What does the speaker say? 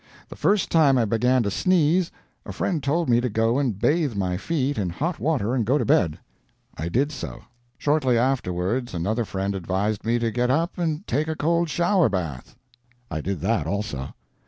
The first time I began to sneeze, a friend told me to go and bathe my feet in hot water and go to bed. I did so. Shortly afterward, another friend advised me to get up and take a cold shower bath. I did that also.